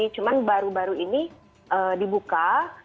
cuma baru baru ini dibuka